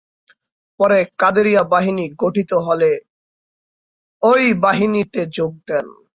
পরে কাদেরিয়া বাহিনী গঠিত হলে ওই বাহিনীতে যোগ দেন।